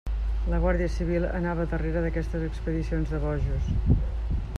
La guàrdia civil anava darrere d'aquestes expedicions de bojos.